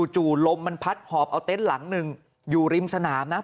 จู่ลมมันพัดหอบเอาเตนซ์ขวางหนึ่งอยู่ริมศนามนะ